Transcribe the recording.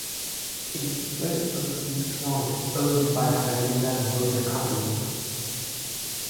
It is the first overseas plant owned by Hyundai Motor Company.